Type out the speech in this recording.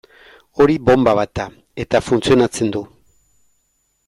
Hori bonba bat da, eta funtzionatzen du.